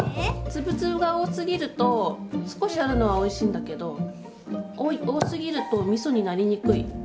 粒々が多すぎると少しあるのはおいしいんだけど多すぎるとみそになりにくい。